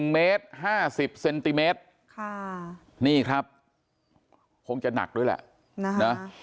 ๑เมตร๕๐เซนติเมตรนี่ครับคงจะหนักด้วยแหละนะ